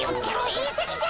いんせきじゃ。